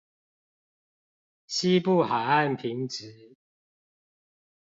西部海岸平直